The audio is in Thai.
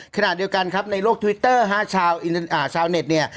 ขณะเดียวกันครับในโลกทวิตเตอร์ฮะชาวเน็ตเนี่ย